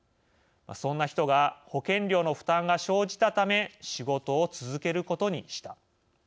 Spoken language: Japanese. そんな人が保険料の負担が生じたため仕事を続けることにした。